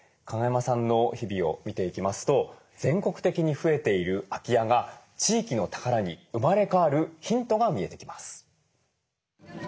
加賀山さんの日々を見ていきますと全国的に増えている空き家が地域の宝に生まれ変わるヒントが見えてきます。